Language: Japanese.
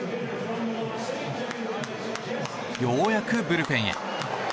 ようやく、ブルペンへ。